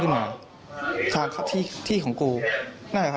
พี่พิกัลพี่พิกัลพี่พิกัลพี่พิกัลพี่พิกัล